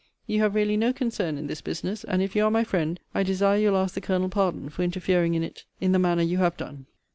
You have really no concern in this business; and if you are my friend, I desire you'll ask the Colonel pardon for interfering in it in the manner you have done.